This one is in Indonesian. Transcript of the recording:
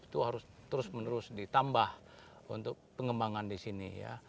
itu harus terus menerus ditambah untuk pengembangan di sini ya